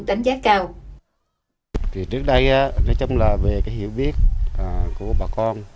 đánh giá cao